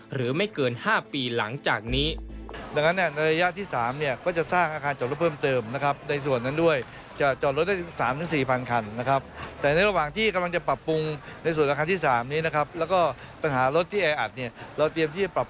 หรือไม่เกิน๕ปีหลังจากนี้